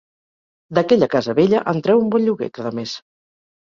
D'aquella casa vella, en treu un bon lloguer cada mes.